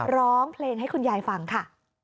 ร้องเพลงให้คุณยายฟังค่ะ